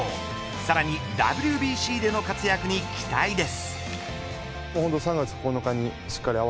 さらにＷＢＣでの活躍に期待です。